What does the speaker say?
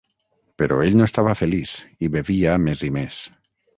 Però ell no estava feliç i bevia més i més.